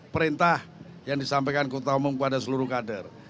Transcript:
perintah yang disampaikan kota umum kepada seluruh kader